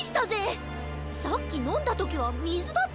さっきのんだときはみずだったのに。